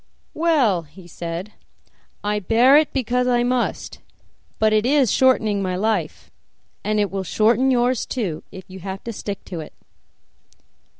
"Well," he said, "I bear it because I must; but it is shortening my life, and it will shorten yours too if you have to stick to it."